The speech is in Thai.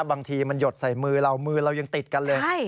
บางทีมันหยดใส่มือเรามือเรายังติดกันเลย